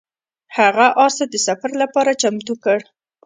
هغه اس ته د سفر لپاره چمتو کړ.